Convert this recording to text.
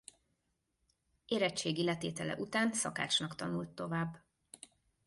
Érettségi letétele után szakácsnak tanult tovább.